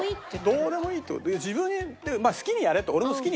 どうでもいいと自分で好きにやれと。